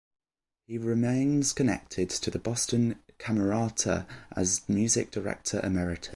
He remains connected to the Boston Camerata as Music Director Emeritus.